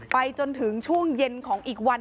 ไปจนถึงช่วงเย็นของอีกวัน